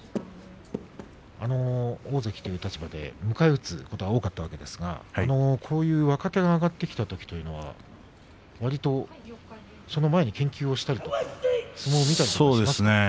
大関という立場で迎え打つことが多かったわけですがこういう若手が上がってきたときはその前に研究したりとか相撲を見たりとかするんですか。